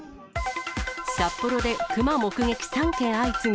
札幌でクマ目撃３件相次ぐ。